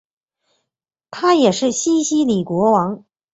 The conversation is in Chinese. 他也是西西里国王。